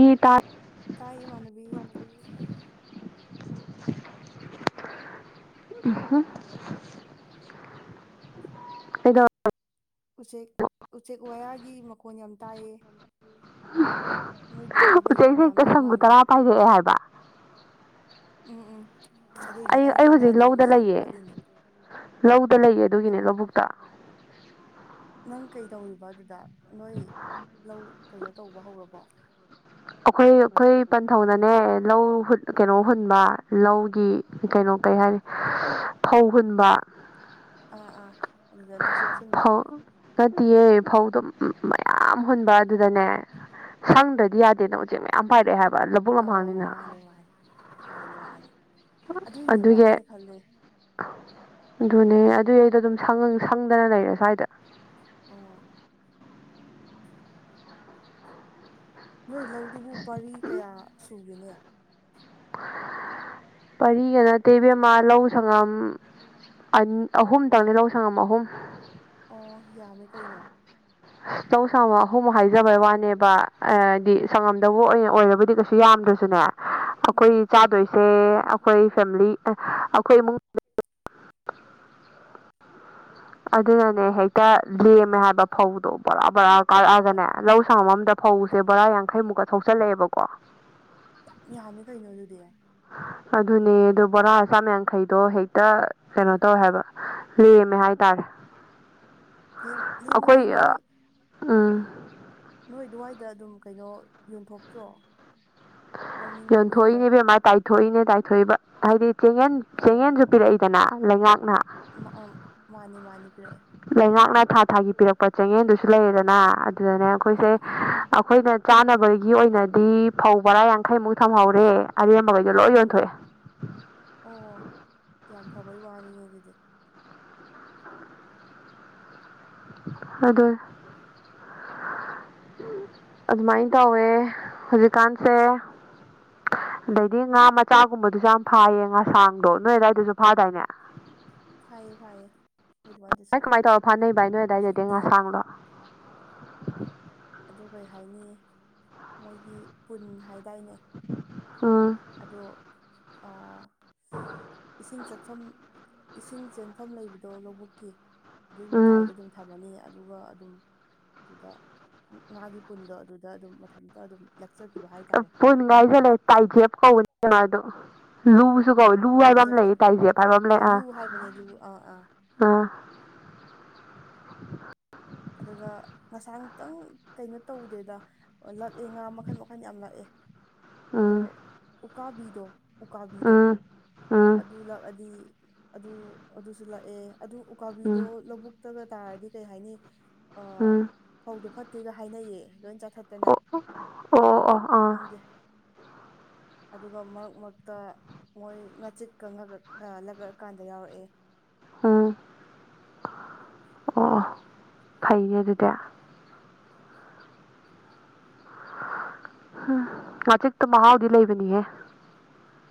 ꯌꯤ ꯇꯥꯠ ꯇꯥꯏ ꯏꯃꯥꯟꯅꯕꯤ [unintelligible] ꯀꯩꯗꯧ ꯎꯆꯦꯛ ꯎꯆꯦꯛ ꯋꯥꯌꯥꯒꯤ ꯃꯈꯣꯟ ꯌꯥꯝ ꯇꯥꯏꯌꯦ ꯅꯣꯏ ꯑꯗꯨꯋꯥꯏꯗ ꯂꯩ ꯎꯆꯦꯛ ꯁꯦ ꯌꯥꯝ ꯍꯦꯛꯇ ꯂꯩ ꯁꯪꯒꯨ ꯃꯥꯜꯂꯦ ꯇꯔꯥ ꯄꯥꯏꯔꯛꯑꯦ ꯍꯥꯏꯕ ꯎꯝ ꯎꯝ ꯑꯗꯨꯏꯅꯦ ꯑꯩ ꯑꯩꯟ ꯑꯩ ꯍꯧꯖꯤꯛ ꯀꯗꯥꯏꯗꯩ ꯂꯧꯗ ꯎꯆꯦꯛꯅꯣ ꯂꯩꯌꯦ ꯈꯜꯂꯤꯅꯦ ꯂꯧꯗ ꯂꯩꯌꯦ ꯑꯗꯨꯒꯤꯅꯦ ꯍꯩꯃꯥ ꯂꯧꯕꯨꯛꯇ ꯅꯪ ꯀꯩꯗꯧꯔꯤꯕ ꯑꯗꯨꯗ ꯅꯣꯏ ꯂꯧ ꯀꯩꯅꯣ ꯇꯧꯕ ꯍꯧꯔꯕꯣ ꯑꯈꯣꯏ ꯑꯈꯣꯏ ꯄꯟꯊꯧꯅꯅꯦ ꯂꯧ ꯍꯨꯟ ꯀꯩꯅꯣ ꯍꯨꯟꯕ ꯂꯧꯒꯤ ꯀꯩꯅꯣ ꯀꯩ ꯍꯥꯏꯅꯤ ꯐꯧ ꯍꯨꯟꯕ ꯑꯥ ꯑꯥ ꯑꯗꯨꯗ ꯅꯪꯁꯨ ꯌꯥꯎꯁꯟꯕ ꯐꯧ ꯅꯠꯇꯦꯌꯦ ꯐꯧꯗꯣ ꯃꯌꯥꯝ ꯍꯨꯟꯕ ꯑꯗꯨꯗꯅꯦ ꯁꯪꯗ꯭ꯔꯗꯤ ꯌꯥꯗꯦꯅ ꯎꯆꯦꯛ ꯃꯌꯥꯝ ꯄꯥꯏꯔꯛꯑꯦ ꯍꯥꯏꯕ ꯂꯧꯕꯨꯛ ꯑꯧ ꯂꯝꯍꯥꯡꯅꯤꯅ ꯃꯥꯅꯦ ꯃꯥꯅꯦ ꯃꯥꯅꯦ ꯃꯥꯅꯦ ꯑꯗꯨꯏꯅꯦꯕ ꯑꯗꯨꯒꯤ ꯑꯩꯅ ꯈꯜꯂꯦ ꯑꯗꯨꯅꯦ ꯑꯗꯨꯏ ꯑꯩꯗꯣ ꯑꯗꯨꯝ ꯁꯪꯉꯥꯒ ꯁꯪꯗꯅ ꯂꯩꯔꯦ ꯁ꯭ꯋꯥꯏꯗ ꯑꯣ ꯅꯣꯏ ꯂꯧꯗꯨꯕꯨ ꯄꯥꯔꯤ ꯀꯌꯥ ꯁꯨꯒꯦꯅꯦ ꯄꯥꯔꯤꯒ ꯅꯠꯇꯦ ꯏꯕꯦꯝꯃ ꯂꯧ ꯁꯪꯉꯝ ꯑꯅꯤ ꯑꯍꯨꯝ ꯇꯪꯅꯤ ꯂꯧ ꯁꯪꯉꯝ ꯑꯍꯨꯝ ꯑꯣ ꯌꯥꯝꯃꯦ ꯀꯩꯅꯣ ꯂꯧ ꯁꯥꯉꯝ ꯑꯍꯨꯝ ꯍꯥꯏꯖꯕꯩ ꯋꯥꯅꯦꯕ ꯑꯥꯏꯗꯤ ꯁꯪꯉꯝꯗꯕꯨ ꯑꯣꯏꯅ ꯑꯣꯏꯔꯕꯗꯤ ꯀꯩꯁꯨ ꯌꯥꯝꯗ꯭ꯔꯁꯨꯅꯦ ꯑꯩꯈꯣꯏ ꯎꯝ ꯆꯥꯗꯣꯏꯁꯦ ꯑꯩꯈꯣꯏ ꯐꯦꯃꯤꯂꯤ ꯑꯥ ꯑꯩꯈꯣꯏ ꯏꯃꯨꯡ ꯑꯗꯨꯅꯅꯦ ꯍꯦꯛꯇ ꯂꯦꯝꯃꯦ ꯍꯥꯏꯕ ꯐꯧꯗꯣ ꯕꯣꯔꯥ ꯕꯔꯥ ꯑ- ꯀꯥꯔꯛꯑꯒꯅꯦ ꯂꯧ ꯁꯉꯝ ꯑꯝꯗ ꯐꯧꯁꯦ ꯑꯗꯨꯅꯦ ꯕꯣꯔꯥ ꯌꯥꯡꯈꯩꯃꯨꯛꯀ ꯊꯣꯛꯆꯜꯂꯛꯑꯦꯕꯀꯣ ꯌꯥꯝ ꯌꯥꯝꯃꯦ ꯀꯩꯅꯣ ꯑꯗꯨꯗꯤ ꯑꯗꯨꯅꯦ ꯑꯗꯨ ꯕꯣꯔꯥ ꯆꯥꯥꯝ ꯌꯥꯡꯈꯩꯗꯣ ꯍꯦꯛꯇ ꯀꯩꯅꯣ ꯇꯧꯋꯦ ꯍꯥꯏꯕ ꯂꯦꯝꯃꯦ ꯍꯥꯏꯇꯥꯔꯦ ꯂꯦꯝ ꯑꯩꯈꯣꯏ ꯂꯦꯝꯃꯗꯤ ꯅꯣꯏ ꯎꯝ ꯅꯣꯏ ꯑꯗꯨꯋꯥꯏꯗ ꯗꯨꯝ ꯀꯩꯅꯣ ꯌꯣꯟꯊꯣꯛꯇ꯭ꯔꯣ ꯂꯧꯅꯤꯡꯕ ꯃꯤꯒ ꯌꯣꯟꯊꯣꯛꯏꯅꯦ ꯏꯕꯦꯝꯃꯥ ꯇꯥꯏꯊꯣꯛꯏꯅꯦ ꯇꯥꯏꯊꯣꯛꯏꯕ ꯍꯥꯏꯗꯤ ꯆꯦꯡꯉꯦꯟ ꯑꯣ ꯆꯦꯡꯉꯦꯟꯖꯨ ꯄꯤꯔꯛꯏꯗꯅ ꯂꯩꯉꯥꯛꯅ ꯃꯥ ꯑꯝ ꯃꯥꯅꯤ ꯃꯥꯅꯤ ꯄꯤꯔꯛꯑꯦ ꯂꯩꯉꯥꯛꯅ ꯊꯥ ꯊꯥꯒꯤ ꯄꯤꯔꯛꯄ ꯆꯦꯡꯉꯦꯟꯗꯨꯁꯨ ꯂꯩꯔꯦꯗꯅ ꯑꯗꯨꯗꯅꯦ ꯑꯈꯣꯏꯁꯦ ꯎꯝ ꯎꯝ ꯑꯈꯣꯏꯅ ꯆꯥꯅꯕꯒꯤ ꯑꯣꯏꯅꯗꯤ ꯐꯧ ꯕꯣꯔꯥ ꯌꯥꯡꯈꯩꯃꯨꯛ ꯊꯝꯍꯧꯔꯦ ꯑꯔꯦꯝꯕꯒꯩ ꯗꯣ ꯂꯣꯏ ꯎꯝ ꯌꯣꯟꯊꯣꯛꯑꯦ ꯑꯣ ꯌꯥꯝ ꯐꯕꯩ ꯋꯥꯅꯤꯅꯦ ꯑꯗꯨꯗꯤ ꯑꯗꯨꯅꯦ ꯑꯗꯨꯃꯥꯏꯟ ꯇꯧꯋꯦ ꯍꯧꯖꯤꯛꯀꯥꯟꯁꯦ ꯑꯗꯩꯗꯤ ꯉꯥ ꯃꯆꯥꯒꯨꯝꯕꯗꯨꯁꯨ ꯌꯥꯝ ꯐꯥꯏꯌꯦ ꯉꯥꯁꯥꯡꯗꯣ ꯅꯣꯏ ꯑꯗꯥꯏꯗꯁꯨ ꯐꯥꯗꯥꯏꯅꯦ ꯐꯥꯏꯌꯦ ꯐꯥꯏꯌꯦ ꯑꯗꯨꯋꯥꯏꯗꯁꯨ ꯀꯃꯥꯏ ꯀꯃꯥꯏ ꯇꯧꯔ ꯐꯅꯩ‌ ꯚꯥꯏ ꯅꯣꯏ ꯑꯗꯥꯏꯗꯗꯤ ꯍꯧꯖꯤꯛꯇꯤ ꯉꯁꯥꯡꯗꯣ ꯑꯗꯣ ꯀꯩ ꯍꯥꯏꯅꯤ ꯃꯣꯏꯒꯤ ꯄꯨꯟ ꯍꯥꯏꯗꯥꯏꯅꯦ ꯎꯝ ꯑꯗꯣ ꯑꯥ ꯏꯁꯤꯡ ꯆꯠꯐꯝ ꯏꯁꯤꯡ ꯆꯦꯟꯐꯝ ꯂꯩꯕꯗꯣ ꯂꯧꯕꯨꯛꯀꯤ ꯑꯗꯨꯏ ꯎꯝ ꯃꯇꯥꯏꯗꯗꯨꯝ ꯊꯝꯃꯅꯤ ꯑꯗꯨꯒ ꯑꯗꯨꯝ ꯗꯨꯗ ꯑꯣ ꯉꯥꯒꯤ ꯄꯨꯟꯗꯣ ꯑꯗꯨꯗ ꯑꯗꯨꯝ ꯃꯊꯟꯇ ꯑꯗꯨꯝ ꯂꯛꯆꯈꯤꯕ ꯍꯥꯏꯇꯥꯔꯦ ꯄꯨꯟ ꯍꯥꯏꯖꯟꯂꯦ ꯇꯥꯏꯖꯦꯞ ꯀꯧꯕꯅꯤ ꯀꯅꯣꯗꯣ ꯂꯨ ꯨ ꯗꯨꯒꯥ ꯂꯨ ꯍꯥꯏꯕ ꯑꯝ ꯂꯩꯌꯦ ꯇꯥꯏꯖꯦꯞ ꯍꯥꯏꯕ ꯑꯝ ꯑ ꯂꯩ ꯂꯨ ꯑꯥ ꯍꯥꯏꯕꯅꯦ ꯂꯨ ꯑꯥ ꯑꯥ ꯑꯥ ꯑꯗꯨꯒ ꯉꯁꯥꯏ ꯑꯪꯇꯪ ꯀꯩꯅꯣ ꯇꯧꯗꯦꯗ ꯑꯣ ꯂꯛꯑꯦ ꯉꯥ ꯃꯈꯟ ꯃꯈꯟ ꯌꯥꯝ ꯂꯛꯑꯦ ꯑꯗꯣ ꯎꯝ ꯎꯀꯥꯚꯤꯗꯣ ꯎꯀꯥꯕꯤꯗꯣ ꯎꯝ ꯎꯝ ꯑꯗꯨ ꯂꯛꯑꯗꯤ ꯑꯗꯨ ꯑꯗꯨꯁꯨ ꯂꯛꯑꯦ ꯑꯗꯨ ꯎꯀꯥꯕꯤꯗꯣ ꯎꯝ ꯂꯕꯨꯛꯇꯒ ꯇꯥꯔꯗꯤ ꯀꯩ ꯍꯥꯏꯅꯤ ꯑ ꯎꯝ ꯐꯧꯗꯣ ꯐꯠꯇꯦꯒ ꯍꯥꯏꯅꯩꯌꯦ ꯂꯣꯏ ꯆꯥꯊꯠ ꯇꯅ ꯑꯣ ꯑꯗꯣ ꯑꯣ ꯑꯣ ꯑꯥ ꯈꯪꯗꯦ ꯑꯗꯨꯒ ꯃꯔꯛ ꯃꯔꯛꯇ ꯃꯣꯏ ꯉꯥꯆꯤꯛꯀ ꯉꯛꯔꯛ ꯑ‌ ꯂꯛꯔꯛꯑ ꯀꯥꯟꯗ ꯌꯥꯎꯔꯛꯑꯦ ꯑ ꯑꯣ ꯐꯩꯅꯦ ꯑꯗꯨꯗꯤ ꯑꯍꯥ ꯉꯥꯆꯤꯛꯇꯣ ꯃꯍꯥꯎꯗꯤ ꯂꯩꯕꯅꯤꯍꯦ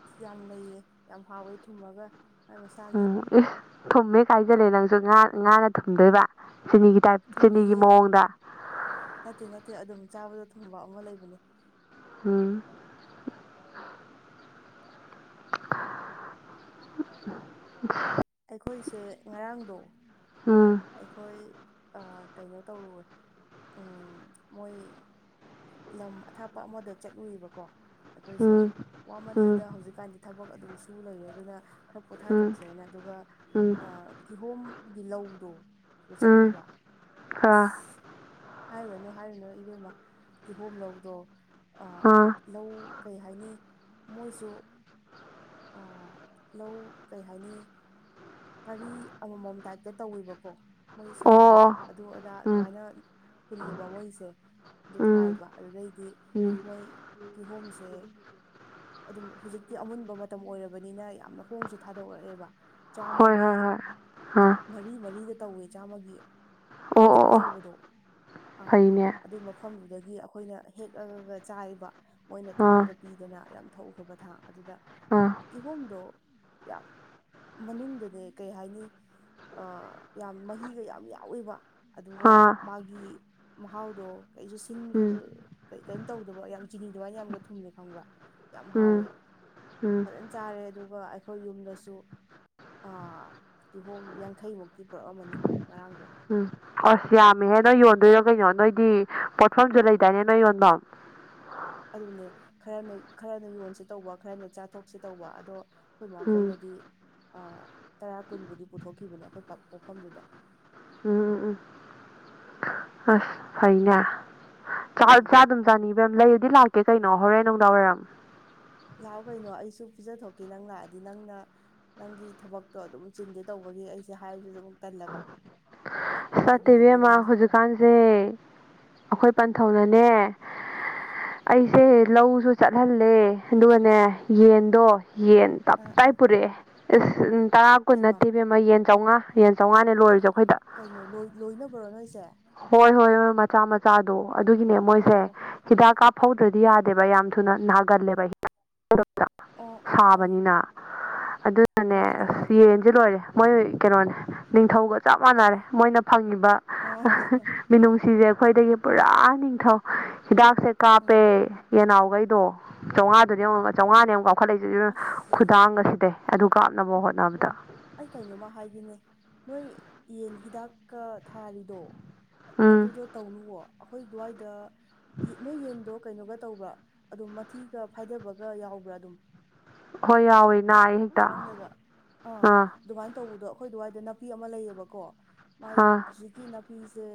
ꯑꯁ ꯌꯥꯝ ꯂꯩꯌꯦ ꯌꯥꯝ ꯍꯥꯎꯋꯦ ꯊꯨꯝꯃꯒ ꯃꯥꯏ ꯃꯁꯥꯒꯤ ꯎꯝ ꯏꯁ ꯊꯨꯝꯃꯦ ꯀ ꯍꯥꯏꯖꯜꯂꯦ ꯅꯪꯁꯨ ꯉꯥ ꯉꯥꯅ ꯊꯨꯝꯗꯣꯏꯕ ꯆꯤꯅꯤꯒꯤ ꯇꯥꯏꯞ ꯆꯤꯅꯤꯒꯤ ꯊꯨꯝꯃꯤꯍꯦ ꯃꯑꯣꯡꯗ ꯅꯠꯇꯦ ꯅꯠꯇꯦ ꯑꯗꯨꯝ ꯆꯥꯕꯗ ꯊꯨꯝꯕ ꯑꯃ ꯂꯩꯕꯅꯦ ꯎꯝ [inaudible] ꯈꯣꯏꯁꯦ ꯉꯔꯥꯡꯗꯣ ꯎꯝ ꯑꯩꯈꯣꯏ ꯑ ꯀꯩꯅꯣ ꯇꯧꯔꯨꯋꯦ ꯎꯝ ꯃꯣꯏ ꯂꯝ ꯑꯊꯥꯞꯄ ꯑꯃꯗ ꯆꯠꯂꯨꯏꯑꯕꯀꯣ ꯑꯩꯈꯣꯏꯁꯦ ꯎꯝ ꯎꯝ ꯋꯥꯃꯜꯂꯗ ꯍꯧꯖꯤꯛ ꯀꯥꯟꯗꯤ ꯊꯕꯛ ꯑꯗꯨꯝ ꯁꯨ ꯂꯩꯔꯦ ꯑꯗꯨꯅ ꯈꯔ ꯎꯝ ꯄꯣꯊꯥꯊꯣꯛꯁꯦꯅ ꯑꯗꯨꯒ ꯎꯝ ꯑ ꯀꯤꯍꯣꯝ ꯒꯤ ꯂꯧꯗꯣ ꯑꯗꯨ ꯎꯝ ꯆꯠꯂꯨꯕ ꯑꯥ ꯑꯁ ꯍꯥꯏꯔꯨꯔꯅꯨ ꯍꯥꯏꯔꯨꯅꯨ ꯏꯕꯦꯝꯃ ꯀꯤꯍꯣꯝ ꯂꯧꯗꯣ ꯑ ꯑꯥ ꯂꯧ ꯀꯩꯍꯥꯏꯅꯤ ꯃꯣꯏꯁꯨ ꯑ ꯂꯧ ꯀꯩꯍꯥꯏꯅꯤ ꯄꯔꯤ ꯑꯃꯃꯝ ꯗꯥꯏꯞꯇ ꯇꯧꯋꯦꯕꯀꯣ ꯃꯣꯏ ꯑꯣ ꯁꯪꯉꯝ ꯑꯣ ꯑꯗꯨ ꯑꯗꯥ ꯎꯝ ꯑꯗꯨꯃꯥꯏꯅ ꯄꯨꯜꯂꯦꯕ ꯃꯣꯏꯁꯦ ꯑꯗꯨ ꯎꯝ ꯊꯥꯏꯕ ꯑꯗꯨꯗꯩꯗꯤ ꯎꯝ ꯃꯣꯏ ꯀꯤꯍꯣꯝꯁꯦ ꯑꯗꯨꯝ ꯍꯧꯖꯤꯛꯇꯤ ꯑꯃꯨꯟꯕ ꯃꯇꯝ ꯑꯣꯏꯔꯕꯅꯤꯅ ꯌꯥꯝꯅ ꯍꯣꯡꯁꯨ ꯊꯥꯗꯣꯛꯔꯛꯑꯦꯕ ꯍꯣꯏ ꯆꯥꯝꯃꯒꯤ ꯍꯣꯏ ꯍꯣꯏ ꯃ ꯑꯥ ꯃꯔꯤ ꯃꯔꯤꯒ ꯇꯧꯌꯦ ꯆꯥꯝꯃꯒꯤ ꯑꯣ ꯑꯆꯧ ꯑꯣ ꯑꯣ ꯑꯆꯧꯕꯗꯣ ꯑ ꯐꯩꯅꯦ ꯑꯗꯨꯏ ꯃ ꯃꯐꯝꯗꯨꯗꯒꯤ ꯑꯩꯈꯣꯏꯅ ꯍꯦꯛꯑꯑꯒ ꯆꯥꯏꯕ ꯃꯣꯏꯅ ꯑꯥ ꯊꯥꯡꯒ ꯄꯤꯗꯅ ꯌꯥꯝ ꯊꯧꯈ꯭ꯔꯕ ꯊꯥꯛ ꯑꯗꯨꯗ ꯑꯥ ꯀꯤꯍꯣꯝꯗꯣ ꯌꯥꯝ ꯃꯅꯨꯡꯗꯅꯦ ꯀꯩ ꯍꯥꯏꯅꯤ ꯑ‌ ꯌꯥꯝ ꯃꯍꯤꯒ ꯌꯥꯝ ꯌꯥꯎꯌꯦꯕ ꯑꯗꯨꯒ ꯑꯥ ꯃꯥꯒꯤ ꯃꯍꯥꯎꯗꯣ ꯀꯩꯁꯨ ꯎꯝ ꯁꯤꯟꯕꯗꯨ ꯀꯩ ꯀꯩꯌꯤꯝ ꯇꯧꯗꯕ ꯌꯥꯝ ꯆꯤꯅꯤ ꯑꯗꯨꯃꯥꯏꯅ ꯌꯥꯝꯒ ꯊꯨꯝꯃꯦ ꯈꯪꯕ꯭ꯔꯥ ꯌꯥꯝ ꯍꯥꯎꯌꯦ ꯎꯝ ꯎꯝ ꯐꯖꯅ ꯆꯥꯔꯦ ꯑꯗꯨꯒ ꯑꯩꯈꯣꯏ ꯌꯨꯝꯗꯁꯨ ꯑ‌ ꯀꯤꯍꯣꯝ ꯌꯥꯡꯈꯩꯃꯨꯛꯇꯤ ꯄꯨꯔꯛꯑꯝꯃꯅꯤ ꯉꯔꯥꯡꯗꯣ ꯎꯝ ꯑꯁ ꯌꯥꯝꯃꯤꯍꯦ ꯅꯣꯏ ꯌꯣꯟꯗꯣꯏꯔꯣ ꯀꯩꯅꯣ ꯅꯣꯏꯗꯤ ꯄꯣꯠꯐꯝꯁꯨ ꯂꯩꯗꯥꯏꯅꯦ ꯅꯣꯏ ꯌꯣꯟꯗ ꯑꯗꯨꯅꯦ ꯈꯔꯅ ꯈꯔꯅ ꯌꯣꯟꯁꯤꯠ ꯇꯧꯕ ꯈꯔꯅ ꯆꯥꯊꯣꯛꯁꯦ ꯇꯧꯕ ꯑꯗꯣ ꯈꯣꯏ ꯃꯥ ꯎꯝ ꯈꯣꯏꯅꯗꯤ ꯑ ꯇꯔꯥ ꯀꯨꯟꯕꯨꯗꯤ ꯄꯨꯊꯣꯛꯈꯤꯕꯅꯦ ꯑꯩꯈꯣꯏ ꯄꯥꯛ ꯄꯣꯛꯐꯝꯗꯨꯗ ꯎꯝ ꯎꯝ ꯎꯝ ꯑꯁ ꯐꯩꯅꯦ ꯆꯥꯔ ꯎꯝ [inaudible] ꯆꯥꯅꯤꯡꯕ ꯂꯩꯔꯗꯤ ꯂꯥꯛꯀꯦ ꯀꯩꯅꯣ ꯍꯣꯔꯦꯟ ꯅꯨꯡꯗꯥꯡ ꯋꯥꯏꯔꯝ ꯂꯥꯛꯎꯀꯩꯑꯣ ꯑꯩꯁꯨ ꯄꯤꯖꯊꯣꯛꯀꯦ ꯅꯪ ꯂꯥꯛꯑꯗꯤ ꯅꯪꯅ ꯅꯪꯒꯤ ꯊꯕꯛꯇꯣ ꯑꯗꯨꯝ ꯆꯤꯟꯗꯦ ꯇꯧꯕꯒꯤ ꯑꯩꯁꯦ ꯍꯥꯏꯕꯁꯨ ꯑꯗꯨꯝ ꯇꯜꯂꯒ ꯑꯗꯨꯗ ꯍꯥꯏꯕꯤꯗꯕꯩ ꯋꯥꯅꯤ ꯀꯥꯟꯁꯦ ꯑꯩꯈꯣꯏ ꯄꯟꯊꯧꯅꯅꯦ ꯑꯩꯁꯦ ꯂꯧꯁꯨ ꯆꯠꯍꯜꯂꯦ ꯑꯗꯨꯒꯅꯦ ꯌꯦꯟꯗꯣ ꯌꯦꯟ ꯑꯥ ꯇꯞꯇꯥꯏ ꯑꯥ ꯄꯨꯔꯛꯑꯦ ꯇꯔꯥ ꯀꯨꯟ ꯍꯩꯃꯥ ꯅꯠꯇꯦꯕꯦꯝ ꯑꯃꯥ ꯌꯦꯟ ꯆꯥꯝꯃꯉꯥ ꯌꯦꯟ ꯆꯥꯝꯃꯉꯥꯅꯦ ꯂꯣꯏꯔꯁꯦ ꯑꯩꯈꯣꯏꯗ ꯀꯩꯅꯣ ꯂꯣꯏ ꯂꯣꯏꯅꯕ꯭ꯔꯣ ꯅꯣꯏꯁꯦ ꯍꯣꯏ ꯍꯣꯏ ꯍꯣꯏ ꯃꯆꯥ ꯃꯆꯥꯗꯣ ꯑꯗꯨꯒꯤꯅꯦ ꯃꯣꯏꯁꯦ ꯑꯣ ꯍꯤꯗꯥꯛ ꯀꯥꯞꯍꯧꯗ꯭ꯔꯗꯤ ꯌꯥꯗꯦꯕ ꯌꯥꯝ ꯊꯨꯅ ꯅꯥꯒꯜꯂꯦꯕ ꯍꯤꯗꯥꯛ ꯑꯣ [inaudible] ꯑꯣ ꯑꯣ ꯁꯥꯕꯅꯤꯅ ꯑꯗꯨꯅꯅꯦ ꯃꯥꯅꯦ ꯑꯁ ꯃꯥꯅꯦ ꯌꯦꯟ ꯁꯤ ꯂꯣꯏꯔꯦ ꯃꯣꯏ ꯀꯩꯅꯣꯅꯦ ꯅꯤꯡꯊꯧꯒ ꯆꯞ ꯃꯥꯟꯅꯔꯦ ꯃꯣꯏꯅ ꯐꯪꯉꯤꯕ ꯑꯣ ꯃꯤꯅꯨꯡꯁꯤꯁꯦ ꯑꯩꯈꯣꯏꯗꯒꯤ ꯄꯨꯔꯥ ꯅꯤꯡꯊꯧ ꯍꯤꯗꯥꯛꯁꯦ ꯀꯥꯞꯄꯦ ꯎꯝ ꯌꯦꯟ ꯅꯥꯎꯈꯩꯗꯣ ꯆꯥꯝꯉꯥꯗꯨꯅꯦꯡꯉꯥꯕ ꯌꯦꯡꯉꯣꯕ ꯆꯥꯝꯃꯉꯥꯅꯦꯕ ꯑꯃꯨꯛ ꯑꯁ ꯀꯥꯎꯈꯠꯂꯛꯁꯁꯤ ꯇꯥꯡꯒ ꯁꯤꯗꯩ ꯑꯗꯨ ꯀꯥꯞꯅꯕ ꯍꯣꯠꯅꯕꯗ ꯑꯩ ꯀꯩꯅꯣꯝꯃ ꯍꯥꯏꯒꯦꯅꯦ ꯅꯣꯏ ꯌꯦꯟ ꯍꯤꯗꯥꯛꯀ ꯊꯥꯔꯤꯗꯣ ꯎꯝ ꯑꯗꯨꯗꯣ ꯇꯧꯅꯨꯕꯣ ꯑꯩꯈꯣꯏ ꯑꯗꯨꯋꯥꯏꯗ ꯅꯣꯏ ꯌꯦꯟꯗꯣ ꯀꯩꯅꯣꯒ ꯇꯧꯕ꯭ꯔꯥ ꯑꯗꯨꯝ ꯃꯊꯤꯒ ꯐꯥꯏꯗꯕꯒ ꯌꯥꯎꯕ꯭ꯔꯥ ꯑꯗꯨꯝ ꯍꯣꯏ ꯌꯥꯣꯏ ꯂꯥꯡꯗꯒ ꯑꯥ ꯑꯗꯨꯃꯥꯏꯅ ꯇꯧꯕꯗꯣ ꯑꯩꯈꯣꯏ ꯑꯗꯨꯋꯥꯏꯗ ꯅꯥꯄꯤ ꯑꯃ ꯂꯩꯌꯦꯕꯀꯣ ꯃꯥꯏ ꯑꯥ [inaudible] ꯀꯤ ꯅꯥꯄꯤꯁꯦ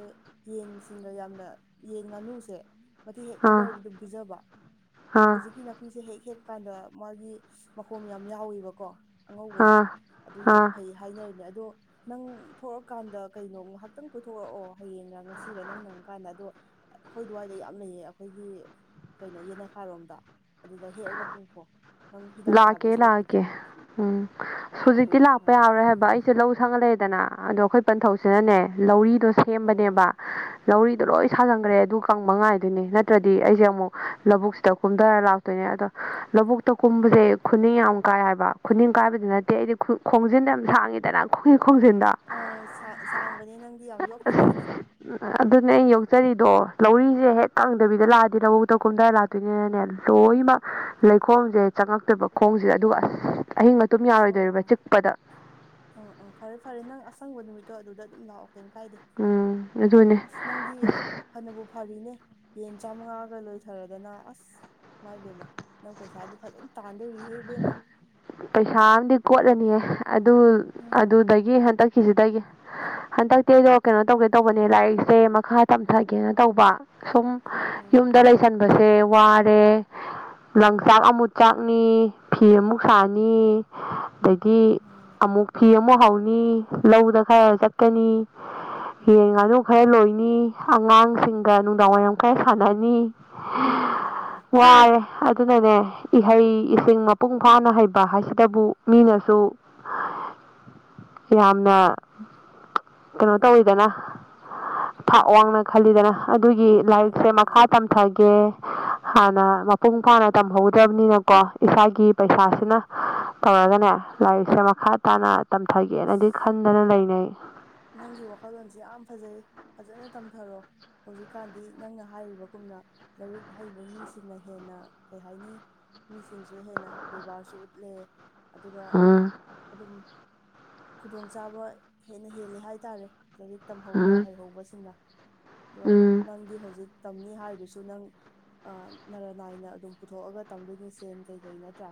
ꯌꯦꯟꯁꯤꯡꯒ ꯌꯥꯝꯅ ꯌꯦꯟ ꯉꯥꯅꯨꯁꯦ ꯃꯊꯤ ꯑꯥ ꯐꯥꯏꯗꯏꯔꯗꯤ ꯑꯗꯨꯝ ꯄꯤꯖꯕ ꯑꯥ ꯍꯧꯖꯤꯛꯀꯤꯅ ꯅꯨꯄꯤꯁꯦ ꯍꯦꯛ ꯍꯦꯛꯄ ꯀꯥꯟꯗ ꯃꯥꯒꯤ ꯃꯈꯣꯝ ꯌꯥꯝ ꯌꯥꯎꯋꯦꯕꯀꯣ ꯑꯉꯧꯕꯗ ꯑꯥ ꯑꯗꯨꯏꯗꯣ ꯑꯥ ꯐꯩ ꯍꯥꯏꯅꯩꯅꯦ ꯑꯗꯣ ꯅꯪ ꯊꯣꯛꯑꯀꯥꯟꯗ ꯀꯩꯅꯣ ꯉꯍꯥꯛꯇꯪ ꯀꯣꯏꯊꯣꯔꯛꯑꯣ ꯍꯌꯦꯡꯔ ꯉꯁꯤꯔꯦ ꯅꯪ ꯅꯪꯀꯥꯟꯗ ꯑꯗꯣ ꯑꯩꯈꯣꯏ ꯑꯗꯨꯋꯥꯏꯗ ꯌꯥꯝ ꯂꯩꯌꯦ ꯑꯩꯈꯣꯏꯒꯤ ꯀꯩꯅꯣ ꯌꯦꯅꯈꯥꯔꯣꯝꯗ ꯑꯗꯨꯗ ꯍꯦꯛꯑꯒ ꯄꯨꯈꯣ ꯅꯪ ꯍꯤꯗꯥꯛ ꯂꯥꯛꯀꯦ ꯊꯥꯕꯒꯤ ꯁꯨꯔꯛꯄꯨꯗꯤ ꯂꯥꯛꯀꯦ ꯎꯝ ꯍꯧꯖꯤꯛꯇꯤ ꯂꯥꯛꯄ ꯌꯥꯔꯣꯏ ꯍꯥꯏꯕ ꯑꯩꯁꯦ ꯂꯧ ꯁꯪꯉ ꯂꯩꯔꯦꯗꯅ ꯑꯗꯣ ꯑꯩꯈꯣꯏ ꯄꯟꯊꯧꯁꯤꯅꯅꯦ ꯂꯧꯔꯤꯗꯣ ꯑꯣ ꯁꯦꯝꯕꯅꯦꯕ ꯂꯧꯔꯤꯗꯣ ꯂꯣꯏ ꯁꯥꯖꯤꯟꯈ꯭ꯔꯦ ꯑꯗꯨ ꯀꯪꯕ ꯉꯥꯏꯗꯨꯅꯤ ꯅꯠꯇ꯭ꯔꯗꯤ ꯑꯩꯁꯦ ꯑꯃꯨꯛ ꯂꯧꯕꯨꯛꯁꯤꯗ ꯀꯨꯝꯊꯔ ꯂꯥꯛ ꯇꯣꯏꯅꯦ ꯑꯗꯣ ꯂꯧꯕꯨꯛꯇ ꯀꯨꯝꯕꯁꯦ ꯈꯨꯅꯤꯡ ꯌꯥꯝ ꯀꯥꯏ ꯍꯥꯏꯕ ꯈꯨꯅꯤꯡ ꯀꯥꯏꯕꯗ ꯅꯠꯇꯦ ꯑꯩꯗꯤ ꯈꯣꯡꯖꯤꯟꯗꯣ ꯌꯥꯝ ꯁꯥꯡꯉꯤꯗꯅ ꯈꯨꯟ ꯈꯣꯡꯖꯤꯟꯗ ꯑꯣ ꯁꯥꯡ ꯁꯥꯡꯕꯅꯦ ꯅꯪꯗꯤ ꯌꯥꯎ ꯌꯣꯛꯈꯤꯗꯥꯏꯅꯦ ꯎꯝ ꯑꯗꯨꯅꯦ ꯑꯩꯅ ꯌꯣꯛꯆꯔꯤꯗꯣ ꯂꯧꯔꯤꯁꯦ ꯍꯦꯛ ꯇꯥ꯫ꯀꯪꯗꯕꯤꯗ ꯂꯥꯛꯑꯗꯤ ꯂꯧꯕꯨꯛꯇ ꯀꯝꯗꯥ ꯂꯥꯛꯇꯣꯏꯅꯤꯅꯅꯦ ꯂꯣꯏꯅꯃꯛ ꯂꯩꯈꯣꯝꯁꯦ ꯆꯪꯉꯛꯇꯣꯏꯕ ꯈꯣꯡꯁꯤꯗꯦ ꯑꯗꯨꯒ ꯑꯁ ꯑꯍꯤꯡ ꯇꯨꯝ ꯌꯥꯔꯣꯏꯗꯣꯔꯤꯕ ꯆꯤꯛꯄꯗ ꯑ ꯑ ꯐꯔꯦ ꯐꯔꯦ ꯅꯪ ꯑꯁꯪꯕ ꯅꯨꯃꯤꯠꯇꯣ ꯑꯗꯨꯗ ꯑꯗꯨꯝ ꯂꯥꯛꯑꯣ ꯀꯩꯝ ꯀꯥꯏꯗꯦ ꯎꯝ ꯑꯗꯨꯅꯦ ꯑꯁ ꯅꯪꯒꯤ ꯐꯅꯕꯨ ꯐꯔꯤꯅꯦ ꯌꯦꯟ ꯆꯥꯝꯃꯉꯥꯒ ꯂꯣꯏꯊꯔꯗꯅ ꯑꯁ ꯃꯥꯏꯕꯦꯝꯃ ꯅꯪ ꯄꯩꯁꯥꯗꯤ ꯐꯖꯅ ꯇꯥꯟꯗꯣꯔꯤꯍꯦ ꯍꯦꯕꯦꯝꯃ ꯄꯩꯁꯥ ꯑꯃꯗꯤꯝ ꯀꯣꯠꯂꯅꯤꯌꯦ ꯑꯗꯨ ꯎꯝ ꯑꯗꯨꯗꯒꯤ ꯍꯟꯗꯛꯀꯤꯁꯤ ꯇꯒꯤ ꯍꯟꯗꯛꯇꯤ ꯑꯩꯗꯣ ꯀꯩꯅꯣ ꯇꯧꯒꯦ ꯇꯧꯕꯅꯦ ꯂꯥꯏꯔꯤꯛꯁꯦ ꯃꯈꯥ ꯇꯝꯊꯒꯦꯅ ꯇꯧꯕ ꯁꯨꯝ ꯎꯝ ꯎꯝ ꯌꯨꯝꯗ ꯂꯩ ꯁꯟꯕꯁꯦ ꯋꯥꯔꯦ ꯂꯪ ꯆꯥꯛ ꯑꯃꯨꯠ ꯆꯥꯛꯅꯤ ꯐꯤ ꯑꯃꯨꯛ ꯁꯥꯥꯅꯤ ꯗꯒꯤ ꯃꯥꯅꯦ ꯑꯃꯨꯛ ꯐꯤ ꯑꯃꯨꯛ ꯍꯧꯅꯤ ꯂꯧꯗ ꯈꯔ ꯆꯠꯀꯅꯤ ꯎꯝ ꯌꯦꯟ ꯎꯝ ꯉꯥꯅꯨ ꯈꯔ ꯂꯣꯏꯅꯤ ꯎꯝ ꯑꯉꯥꯡꯁꯤꯡꯒ ꯅꯨꯡꯗꯥꯡ ꯋꯥꯏꯔꯝ ꯈꯔ ꯁꯥꯅꯅꯤ ꯃꯥꯅꯦ ꯃꯥꯅꯦ ꯋꯥꯔꯦ ꯑꯗꯨꯅꯅꯦ ꯏꯍꯩ ꯏꯁꯤꯡ ꯃꯄꯨꯡ ꯐꯅ ꯍꯩꯕ ꯍꯥꯏꯁꯤꯗꯕꯨ ꯃꯤꯅꯁꯨ ꯌꯥꯝꯅ ꯀꯩꯅꯣ ꯇꯧꯋꯤꯗꯅ ꯊꯥꯛ ꯍꯣꯏ ꯍꯣꯏ ꯋꯥꯡꯅ ꯈꯜꯂꯤꯗꯅ ꯑꯗꯨꯒꯤ ꯃꯥꯅꯦ ꯂꯥꯏꯔꯤꯛꯁꯦ ꯃꯥꯅꯦ ꯃꯈꯥ ꯇꯝꯊꯒꯦ ꯍꯥꯟꯅ ꯃꯄꯨꯡ ꯐꯥꯅ ꯇꯝꯍꯧꯗ꯭ꯔꯕꯅꯤꯅꯀꯣ ꯏꯁꯥꯒꯤ ꯎꯝ ꯎꯝ ꯄꯩꯁꯥꯁꯤꯅ ꯇꯧꯔꯒꯅꯦ ꯂꯥꯏꯔꯤꯛꯁꯦ ꯃꯈꯥ ꯇꯥꯅ ꯇꯝꯊꯒꯦꯅꯗꯤ ꯑꯁ ꯈꯟ ꯃꯥꯅ ꯂꯩꯅ‌ꯩ ꯅꯪꯒꯤ ꯋꯥꯈꯜꯂꯣꯟꯁꯤ ꯌꯥꯝ ꯐꯖꯩ ꯐꯖꯅ ꯇꯝꯊꯔꯣ ꯍꯧꯖꯤꯛꯀꯥꯟꯗꯤ ꯅꯪꯅ ꯍꯥꯏꯔꯤꯕꯀꯨꯝꯅ ꯂꯥꯏꯔꯤꯛ ꯍꯩꯕ ꯃꯤꯁꯤꯅ ꯍꯦꯟꯅ ꯀꯩ ꯍꯥꯏꯅꯤ ꯃꯤꯁꯤꯡꯁꯨ ꯍꯦꯟꯅ ꯕꯦꯕꯥꯔꯁꯨ ꯎꯠꯂꯦ ꯑꯗꯨꯒ ꯎꯝ ꯑꯗꯨꯝ ꯈꯨꯗꯣꯡ ꯆꯥꯕ ꯅ ꯍꯦꯜꯂꯦ ꯍꯥꯏꯇꯥꯔꯦ ꯂꯥꯏꯔꯤꯛ ꯇꯝꯍꯧꯕ ꯎꯝ ꯍꯩꯍꯧꯕꯁꯤꯡꯅ ꯑꯗꯣ ꯎꯝ ꯅꯪꯗꯤ ꯍꯧꯖꯤꯛ ꯇꯝꯅꯤ ꯍꯥꯏꯔꯤꯁꯨ ꯅꯪ ꯑꯥ ꯅꯔꯥ ꯅꯥꯏꯅ ꯑꯗꯨꯝ ꯄꯨꯊꯣꯛꯑꯥꯒ ꯇꯝꯗꯣꯏꯅꯤ ꯁꯦꯟ ꯀꯩꯀꯩ ꯅꯠꯇ꯭ꯔꯥ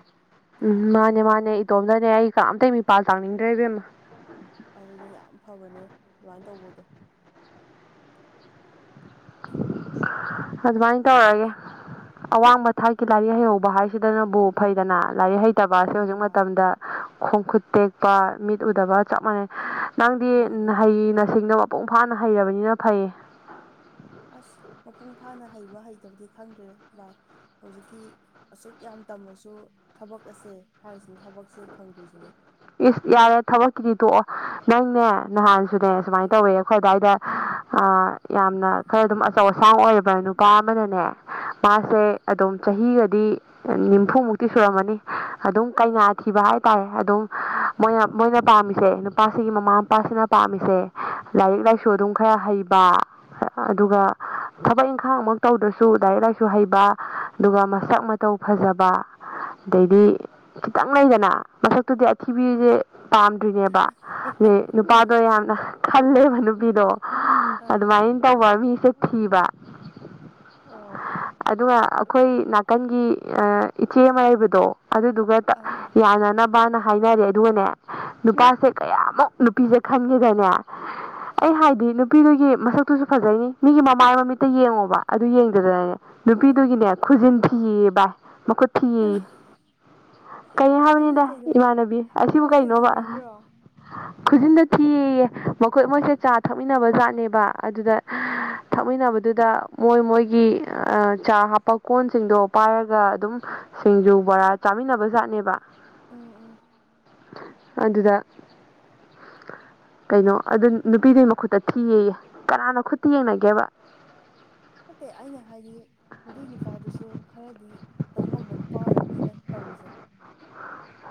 ꯎꯝ ꯑꯗꯨꯅ ꯃꯥꯅꯦ ꯃꯥꯅꯦ ꯏꯇꯣꯝꯗꯅꯦ ꯑꯩ ꯀꯅꯥꯝꯇꯩ ꯃꯤꯄꯥꯜ ꯇꯥꯡꯅꯤꯡꯗꯔ‌ꯦ ꯏꯕꯦꯝꯃꯥ ꯑꯗꯨꯅ‌ꯦ ꯌꯥꯝ ꯐꯕꯅꯦ ꯑꯗꯨꯃꯥꯏꯟ ꯇꯧꯕꯗꯣ ꯑꯗꯨꯃꯥꯏꯟ ꯇꯧꯔꯒꯦ ꯑꯋꯥꯡꯕ ꯊꯥꯛꯀꯤ ꯂꯥꯏꯔꯤꯛ ꯍꯩꯍꯧꯕ ꯍꯥꯏꯁꯤꯗꯅꯕꯨ ꯐꯩꯗꯅ ꯂꯥꯏꯔꯤꯛ ꯍꯩ ꯇꯕ ꯑꯁꯤ ꯍꯧꯖꯤꯛ ꯃꯥꯅꯤ ꯃꯥꯅꯤ ꯃꯇꯝꯗ ꯈꯣꯡ ꯈꯨꯨꯠ ꯇꯦꯛꯄ ꯃꯤꯠ ꯎꯗꯕ ꯆꯞ ꯃꯥꯅꯩ ꯅꯪꯗꯤ ꯃꯥꯅꯤ ꯃꯥꯅꯤ ꯅꯍꯩ ꯅꯁꯤꯡꯗ ꯃꯄꯨꯡ ꯐꯥꯅ ꯍꯩꯔꯕꯅꯤꯅ ꯐꯩꯌꯦ ꯑꯁ ꯃꯄꯨꯡ ꯐꯥꯅ ꯍꯩꯕ ꯍꯩꯇꯕꯗꯤ ꯈꯪꯗ꯭ꯔꯦ ꯚꯥꯏ ꯍꯧꯖꯤꯛꯀꯤ ꯑꯁꯨꯛ ꯌꯥꯝ ꯇꯝꯃꯁꯨ ꯊꯕꯛ ꯑꯁꯦ ꯍꯥꯏꯔꯤꯁꯤꯅꯦ ꯊꯕꯛꯁꯦ ꯐꯪꯗ꯭ꯔꯤꯁꯤꯅꯦ ꯏꯁ ꯌꯥꯔꯦ ꯊꯕꯛꯀꯤꯗꯤ ꯇꯣꯛꯑꯣ ꯅꯪꯅꯦ ꯅꯍꯥꯟꯁꯨꯅꯦ ꯁꯨꯃꯥꯏꯟ ꯇꯧꯋꯦ ꯑꯈꯣꯏ ꯑꯗꯥꯏꯗ ꯑꯥ ꯌꯥꯝꯅ ꯈꯔ ꯑꯗꯨꯝ ꯑꯆꯧ ꯑꯁꯥꯡ ꯑꯣꯏꯕ ꯅꯨꯄꯥ ꯑꯃꯥꯅꯅꯦ ꯃꯥꯁꯦ ꯑꯗꯨꯝ ꯆꯍꯤꯒꯗꯤ ꯅꯤꯝꯐꯨꯃꯨꯛꯇꯤ ꯁꯨꯔꯝꯃꯅꯤ ꯑꯗꯨꯝ ꯀꯩꯅꯥ ꯑꯥ ꯊꯤꯕ ꯍꯥꯏꯇꯥꯔꯦ ꯑꯗꯨꯝ ꯃꯣꯏꯅ ꯃꯣꯏꯅ ꯄꯥꯝꯃꯤꯁꯦ ꯅꯨꯄꯥꯁꯤꯒꯤ ꯃꯃꯥ ꯃꯄꯥꯁꯤꯅ ꯄꯥꯝꯃꯤꯁꯦ ꯂꯥꯏꯔꯤꯛ ꯂꯥꯏꯁꯨ ꯑꯗꯨꯝ ꯈꯔ ꯍꯩ ꯕꯥ ꯑꯗꯨꯒ ꯊꯕꯛ ꯏꯪꯈꯥꯡ ꯃꯛ ꯇꯧꯗ꯭ꯔꯁꯨ ꯂꯥꯏꯔꯤꯛ ꯂꯥꯏꯁꯨ ꯍꯩꯕ ꯑꯗꯨꯒ ꯃꯁꯛ ꯃꯥ ꯇꯧ ꯐꯖꯕ ꯑꯗꯩꯗꯤ ꯈꯤꯇꯪ ꯂꯩꯗꯅ ꯃꯁꯛ ꯨꯇꯨꯗꯤ ꯑꯊꯤꯕꯤꯖ‌ꯦ ꯄꯥꯝꯗ꯭ꯔꯤꯅꯦꯕ [unintelligible] ꯄꯥꯗꯣ ꯌꯥꯝꯅ ꯈꯜꯂꯦꯕ ꯅꯨꯄꯤꯗꯣ ꯑꯥ ꯑꯗꯨꯃꯥꯏꯟ ꯇꯧꯕ ꯃꯤꯁꯦ ꯊꯤꯕ ꯑꯣ ꯑꯗꯨꯒ ꯑꯈꯣꯏꯒꯤ ꯅꯥꯀꯟꯒꯤ ꯑꯥ ꯏꯆꯦ ꯑꯃꯥ ꯂꯩꯕꯗꯣ ꯑꯗꯨꯗꯨꯒ ꯑꯥ ꯑꯥ ꯌꯥꯅꯅꯥꯕꯅ ꯍꯥꯏꯅꯔꯦ ꯑꯗꯨꯒꯅꯦ ꯅꯨꯄꯥꯁꯦ ꯀꯌꯥꯃꯨꯛ ꯅꯨꯄꯤꯁꯦ ꯈꯟꯒꯦꯗꯅꯦ ꯑꯩ ꯑꯥ ꯍꯥꯏꯗꯤ ꯅꯨꯄꯤꯗꯨꯒꯤ ꯃꯁꯛꯇꯨꯁꯨ ꯐꯖꯩꯅꯤ ꯃꯤꯒꯤ ꯃꯃꯥꯏ ꯃꯃꯤꯠꯇ ꯌꯦꯡꯉꯣꯕ ꯑꯗꯨ ꯌꯦꯡꯗꯗꯅꯅꯦ ꯃꯥꯅꯤ ꯃꯥꯅꯤ ꯅꯨꯄꯤꯗꯨꯒꯤꯅꯦ ꯈꯨꯖꯤꯟ ꯊꯤꯌꯦ ꯌ‌ꯦ ꯚꯥꯏ ꯃꯈꯨꯠ ꯊꯤꯌꯦ ꯌ‌ꯦ ꯀꯔꯤ ꯅ‌ꯣ ꯑꯗꯨꯗꯤ ꯍꯥꯏꯕꯅꯤꯗ ꯀꯩꯅꯣ ꯏꯃꯥꯟꯅꯕꯤ ꯑꯁꯤꯕꯨ ꯈꯔ ꯀꯩꯅꯣꯕ ꯍꯦꯟꯖꯤꯟꯃꯟꯗ꯭ꯔꯣ ꯈꯨꯖꯤꯟꯗ ꯊꯤꯌꯦ ꯌ‌ꯦ ꯃꯈꯣꯏ ꯃꯣꯏꯁꯦ ꯆꯥ ꯊꯛꯃꯤꯟꯅꯕ ꯖꯥꯠꯅꯦꯕ ꯑꯗꯨꯗ ꯑꯥ ꯊꯛꯃꯤꯟꯅꯕꯗꯨꯗ ꯃꯣꯏ ꯃꯣꯏꯒꯤ ꯑꯥ ꯆꯥ ꯍꯥꯞꯄ ꯀꯣꯟꯁꯤꯡꯗꯣ ꯄꯥꯏꯔꯒ ꯑꯗꯨꯝ ꯁꯤꯡꯖꯨ ꯕꯣꯔꯥ ꯆꯥꯃꯤꯟꯅꯕꯖꯥꯠꯅꯦꯕ ꯎꯝ ꯎꯝ ꯑꯗꯨꯗ ꯀꯩꯅꯣ ꯑꯗꯨ ꯅꯨꯄꯤꯗꯨꯒꯤ ꯃꯈꯨꯠꯇ ꯊꯤꯌꯦꯌꯦ ꯀꯅꯥꯅ ꯈꯨꯠꯇ ꯌꯦꯡꯅꯒꯦꯕ ꯅꯠꯇꯦ ꯑꯩꯅ ꯍꯥꯏꯗꯤ ꯃꯗꯨꯏ ꯅꯨꯄꯥꯗꯨꯁꯨ ꯈꯔꯗꯤ ꯇꯧ ꯉꯝꯕ ꯅꯨꯄꯥ ꯑꯣꯏꯔꯝꯅꯤꯗ ꯇꯧꯔꯤꯁꯦ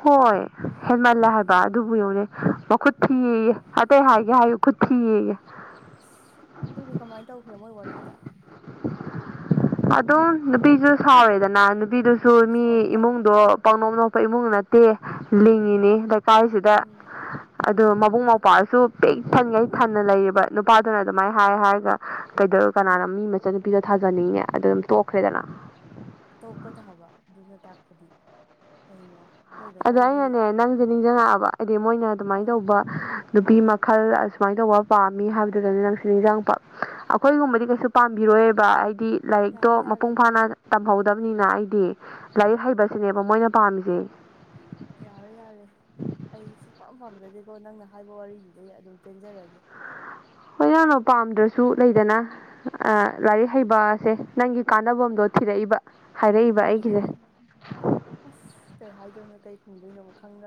ꯍꯣꯏ ꯍꯦꯟꯃꯜꯂꯦ ꯍꯥꯏꯕ ꯑꯗꯨꯕꯨ ꯌꯦꯡꯉꯨꯅꯦ ꯃꯈꯨꯠ ꯊꯤꯌꯦꯌꯦ ꯑꯇꯩ ꯍꯥꯏꯒꯦ ꯍꯥꯏꯌꯨ ꯈꯨꯠ ꯊꯤꯌꯦꯌꯦ ꯑꯁ ꯑꯗꯨꯗꯤ ꯀꯃꯥꯏ ꯇꯧꯈ꯭ꯔꯦ ꯃꯣꯏ ꯋꯥꯔꯤꯗꯣ ꯑꯗꯨꯝ ꯅꯨꯄꯤꯁꯨ ꯁꯥꯎꯔꯦꯗꯅ ꯅꯨꯄꯤꯗꯨꯁꯨ ꯃꯤ ꯁꯥꯎꯕ ꯇꯥꯕ ꯏꯃꯨꯡꯗꯣ ꯄꯥꯞꯅꯣꯞ ꯅꯣꯞꯄ ꯏꯃꯨꯡ ꯅꯠ ꯇꯦ ꯎꯝ ꯎꯝ ꯂꯤꯡꯉꯤꯅꯤ ꯂꯩꯀꯥꯏꯁꯤꯗ ꯎꯝ ꯎꯝ ꯑꯗꯣ ꯃꯕꯨꯡ ꯃꯧꯄ꯭ꯋꯥꯁꯨ ꯄꯤꯛ ꯊꯟꯉꯩ ꯊꯟꯅ ꯂꯩꯔꯤꯕ ꯅꯨꯄꯥꯗꯨꯅ ꯑꯗꯨꯃꯥꯏ ꯍꯥꯏ ꯍꯥꯏꯔꯒ ꯀꯩꯗꯧꯔ ꯎꯝ ꯀꯅꯥꯅ ꯃꯤ ꯃꯆꯥꯟ ꯄꯤꯗꯣ ꯊꯥꯖꯅꯤꯡꯉꯤ ꯑꯗꯨ ꯑꯗꯨꯝ ꯇꯣꯛꯈ꯭ꯔꯦꯗꯅ ꯇꯣꯛꯄ ꯇꯥꯕ ꯑꯗꯨꯅ ꯇꯥꯛꯄꯗꯤ ꯀꯩꯅꯣ ꯅꯣꯏ ꯑꯗꯣ ꯂꯩꯀꯥꯏꯒꯤ ꯑꯩꯅꯅꯦ ꯅꯪꯖꯦ ꯅꯤꯡꯁꯤꯡꯉꯛꯑꯕ ꯍꯥꯏꯗꯤ ꯃꯣꯏꯅ ꯑꯗꯨꯃꯥꯏꯅ ꯑꯥ ꯇꯧꯕ ꯅꯨꯄꯤ ꯃꯈꯜ ꯑꯁꯨꯃꯥꯏꯅ ꯇꯧꯕ ꯄꯥꯝꯃꯤ ꯍꯥꯏꯕꯗꯨꯗꯅꯦ ꯅꯪꯁꯤ ꯅꯤꯡꯖꯤꯡꯉꯛꯄ ꯑꯈꯣꯏꯒꯨꯝꯕꯗꯤ ꯀꯩꯁꯨ ꯄꯥꯝꯕꯤꯔꯣꯏꯕ ꯍꯥꯏꯗꯤ ꯂꯥꯏꯔꯤꯛꯇꯣ ꯌꯥꯔꯦ ꯌꯥꯔꯦ ꯃꯄꯨꯡ ꯐꯥꯅ ꯇꯝꯍꯧꯗꯕꯅꯤꯅ ꯑꯩꯗꯤ ꯂꯥꯏꯔꯤꯛ ꯍꯩꯕꯁꯤꯅꯦꯕ ꯃꯣꯏꯅ ꯄꯥꯝꯃꯤꯖꯦ ꯌꯥꯔꯦ ꯌꯥꯔꯦ ꯑꯩ ꯁꯨꯛꯄꯝ ꯄꯥꯝꯖꯗꯦꯀꯣ ꯅꯪꯅ ꯍꯥꯏꯕ ꯋꯥꯔꯤꯗꯨꯗꯩ ꯑꯗꯨꯝ ꯄꯦꯟꯖꯔꯒꯦ ꯍꯣꯏ ꯅꯪꯅ ꯄꯥꯝꯗ꯭ꯔꯁꯨ ꯂꯩꯗꯅ ꯑ ꯂꯥꯏꯔꯤꯛ ꯍꯩꯕ ꯑꯁꯦ ꯅꯪꯒꯤ ꯀꯥꯟꯅꯕꯝꯗꯣ ꯊꯤꯔꯛꯏꯕ ꯍꯥꯏꯔꯛꯏꯕ ꯑꯩꯒꯤꯁꯦ ꯑꯁ ꯀꯩ ꯍꯥꯏꯗꯣꯏꯅꯣ ꯀꯩ ꯈꯨꯝꯗꯣꯏꯅꯣꯕ ꯈꯪꯗ꯭ꯔ